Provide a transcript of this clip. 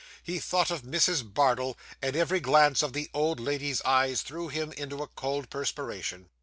He thought of Mrs. Bardell; and every glance of the old lady's eyes threw him into a cold perspiration.